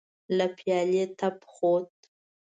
له پيالې تپ خوت.